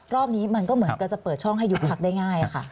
รอบนี้มันก็เหมือนกันจะเปิดช่องให้ยุบพักได้ง่ายค่ะ